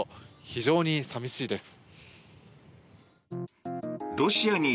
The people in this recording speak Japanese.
非常に寂しいです。